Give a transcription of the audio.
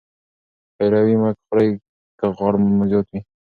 پیروي مه خورئ که غوړ مو زیات وي.